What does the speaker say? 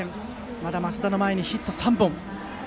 まだ升田の前にヒット３本。